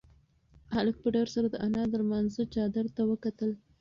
هلک په ډار سره د انا د لمانځه چادر ته وکتل.